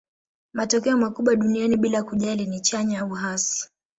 matokeo makubwa duniani bila kujali ni chanya au hasi